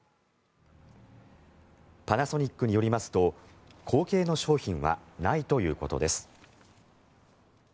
パナソニックによりますと後継の商品はないということです。